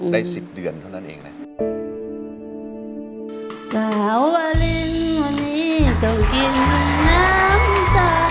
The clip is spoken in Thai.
ได้๑๐เดือนเท่านั้นเองนะ